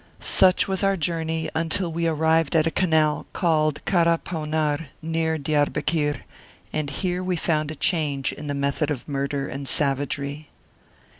Such was our journey until we arrived at a canal, called Kara Pounar, near Diarbekir, and here we found a change in the method of murder and savagery.